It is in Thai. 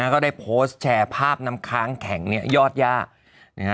ก็ได้โพสต์แชร์ภาพน้ำค้างแข็งยอดย่า